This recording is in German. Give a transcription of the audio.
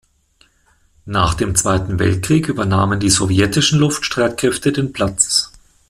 Nach dem Zweiten Weltkrieg übernahmen die sowjetischen Luftstreitkräfte den Platz.